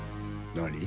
何？